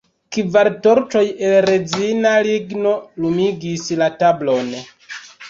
Kvar torĉoj el rezina ligno lumigis la tablon.